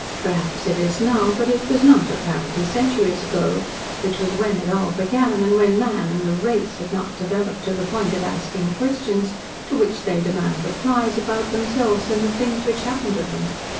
Perhaps it is now, but it was not apparently centuries ago, which was when it all began and when 'Man' and the 'Race' had not developed to the point of asking questions, to which they demand replies, about themselves and the things which happened to them.